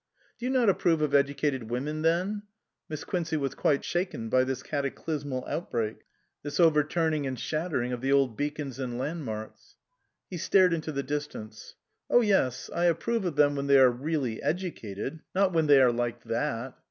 "Do you not approve of educated women then ?" Miss Quincey was quite shaken by this cataclysmal outbreak, this overturning and shattering of the old beacons and landmarks. He stared into the distance. " Oh yes, I approve of them when they are really educated not when they are like that.